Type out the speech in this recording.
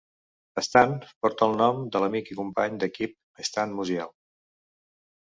Stan porta el nom de l'amic i company d'equip Stan Musial.